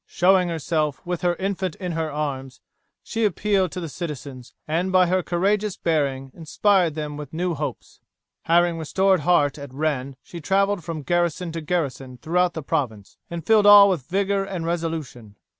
Showing herself, with her infant in her arms, she appealed to the citizens, and by her courageous bearing inspired them with new hopes. Having restored heart at Rennes she traveled from garrison to garrison throughout the province, and filled all with vigour and resolution.